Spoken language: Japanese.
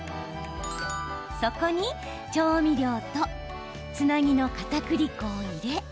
そこに、調味料とつなぎのかたくり粉を入れ。